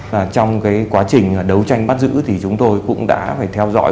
và trong cái quá trình đấu tranh bắt giữ thì chúng tôi cũng đã phải theo dõi